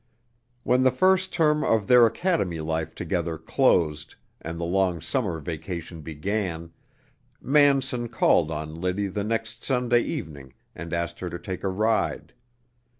When the first term of their academy life together closed, and the long summer vacation began, Manson called on Liddy the next Sunday evening and asked her to take a ride.